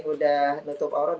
udah nutup aurot